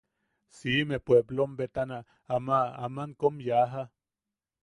Siʼime puepplom betana ama... aman kom yaja.